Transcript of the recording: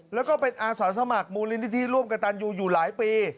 แล้วก็เป็นอาสาสมัครมูลนิธิร่วมกับตันยูอยู่หลายปี